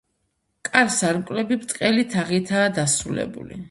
კარ-სარკმლები ბრტყელი თაღითაა დასრულებული.